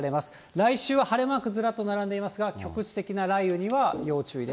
来週は晴れマークずらっと並んでいますが、局地的な雷雨には要注